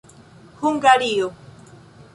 Hungario.